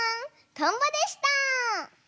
トンボでした！